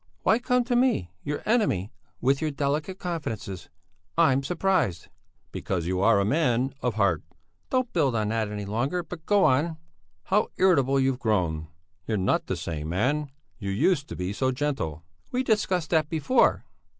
"Why come to me, your enemy, with your delicate confidences? I'm surprised...." "Because you are a man of heart." "Don't build on that any longer! But go on." "How irritable you've grown! You're not the same man; you used to be so gentle." "We discussed that before!